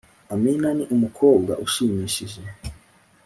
amina ni umukobwa ushimishije